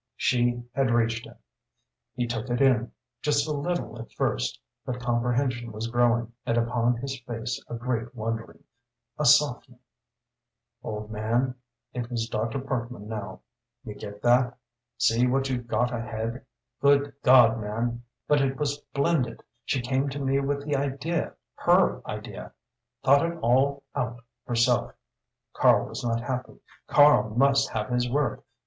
She had reached him. He took it in, just a little at first, but comprehension was growing, and upon his face a great wondering, a softening. "Old man," it was Dr. Parkman now "you get that? See what you've got ahead? God, man but it was splendid! She came to me with the idea her idea thought it all out herself. Karl was not happy Karl must have his work.